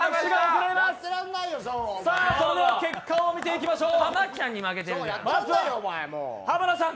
それでは結果を見ていきましょう。